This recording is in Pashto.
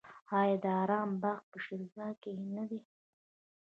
آیا د ارم باغ په شیراز کې نه دی؟